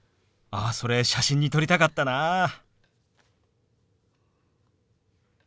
あそれ写真に撮りたかったなあ。